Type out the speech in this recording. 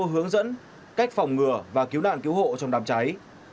hướng dẫn cách phòng cháy chữa cháy